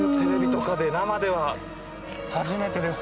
生では初めてです。